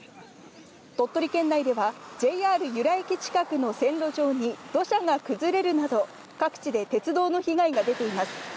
鳥取県内では、ＪＲ由良駅近くの線路上に土砂が崩れるなど、各地で鉄道の被害が出ています。